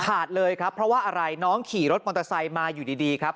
เลยครับเพราะว่าอะไรน้องขี่รถมอเตอร์ไซค์มาอยู่ดีครับ